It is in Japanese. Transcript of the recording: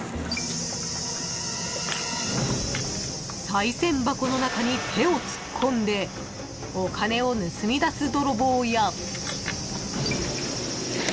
［さい銭箱の中に手を突っ込んでお金を盗み出すドロボーや］